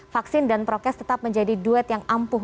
vaksin dan prokes tetap menjadi duet yang ampuh